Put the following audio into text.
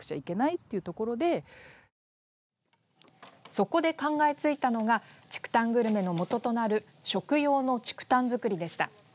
そこで考えついたのが竹炭グルメのもととなる食用の竹炭作りでした。